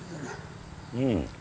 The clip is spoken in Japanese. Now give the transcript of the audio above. うん。